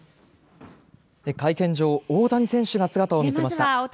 会見場、大谷選手が姿を見せました。